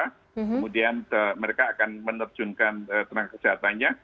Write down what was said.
kemudian mereka akan menerjunkan tenaga kesehatannya